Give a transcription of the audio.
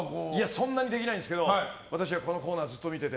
そんなにできないんですけど私はこのコーナーずっと見てて。